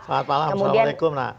selamat malam assalamualaikum nak